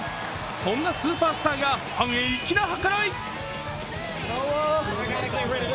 そんなスーパースターがファンへ粋な計らい。